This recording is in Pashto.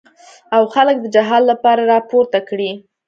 او خلک د جهاد لپاره راپورته کړي.